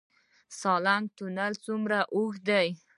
سالنګ تونل څومره اوږد دی؟